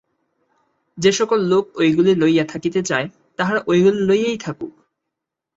যে-সকল লোক ঐগুলি লইয়া থাকিতে চায়, তাহারা ঐগুলি লইয়া থাকুক।